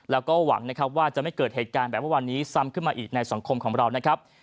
แล้วก็หวังว่าจะไม่เกิดเหตุการณ์แบบวันนี้ซ้ำขึ้นมาอีกในสังคมของเรา